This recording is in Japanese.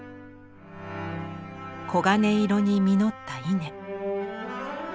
黄金色に実った稲。